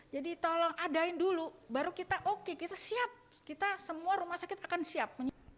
jadi tolong adain dulu baru kita oke kita siap kita semua rumah sakit akan siap